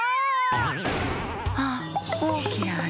あっおおきなあな。